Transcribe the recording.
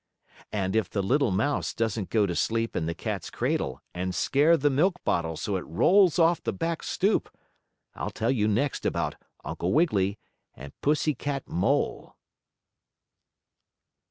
And if the little mouse doesn't go to sleep in the cat's cradle and scare the milk bottle so it rolls off the back stoop, I'll tell you next about Uncle Wiggily and Pussy Cat Mole.